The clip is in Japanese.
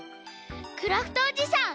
クラフトおじさん